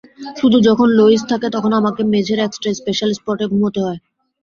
শুধু যখন লোয়িস থাকে, তখন আমাকে মেঝের এক্সট্রা স্পেশাল স্পটে ঘুমাতে হয়।